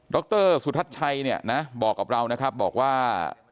รสุทัชชัยเนี่ยนะบอกกับเรานะครับบอกว่า